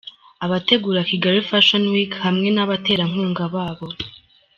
Abategura Kigali Fashion Week hamwe n'abaterankunga babo.